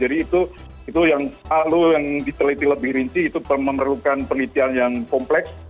jadi itu yang selalu yang diteliti lebih rinci itu memerlukan penelitian yang kompleks